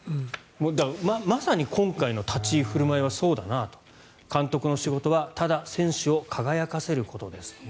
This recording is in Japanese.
だからまさに今回の立ち振る舞いはそうだなと。監督の仕事はただ選手を輝かせることです。